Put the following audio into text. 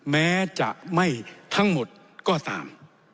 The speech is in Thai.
แม้จะไม่ทั้งหมดก็ตาม